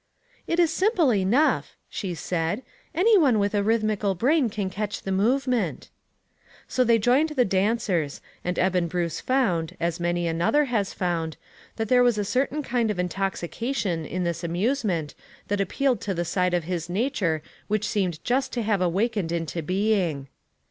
"It is simple enough," she said, "any one with a rhythmical brain can catch the move ment." So they joined the dancers, and Eben 264 ONE COMMONPLACE DAY. Bruce found, as many another has found, that there was a certain kind of intoxica tion in this amusement that appealed to the side of his nature which seemed just to have awakened into being.